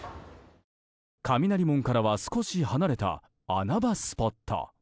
雷門からは少し離れた穴場スポット。